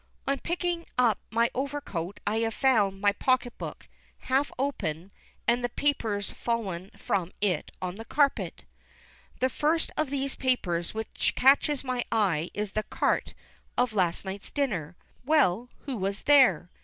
_ On picking up my overcoat I have found my pocket book, half open, and the papers fallen from it on the carpet. The first of these papers which catches my eye is the carte of last night's dinner. Well, who was there?